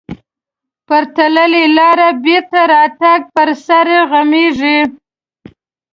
پر تللې لارې بېرته راتګ پر سړي غمیږي.